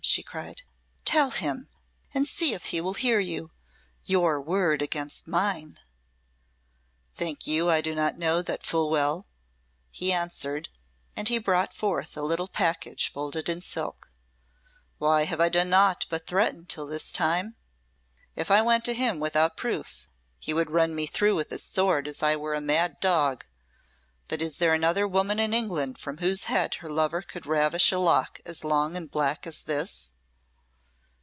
she cried, "tell him, and see if he will hear you. Your word against mine!" "Think you I do not know that full well," he answered, and he brought forth a little package folded in silk. "Why have I done naught but threaten till this time? If I went to him without proof, he would run me through with his sword as I were a mad dog. But is there another woman in England from whose head her lover could ravish a lock as long and black as this?"